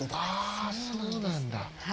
あぁそうなんだ。